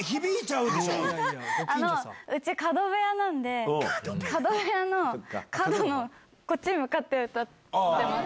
うち、角部屋なんで、角部屋の角のこっちに向かって歌ってます。